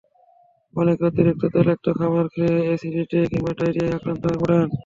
অনেকে অতিরিক্ত তৈলাক্ত খাবার খেয়ে অ্যাসিডিটি কিংবা ডায়রিয়ায় আক্রান্ত হয়ে পড়েন।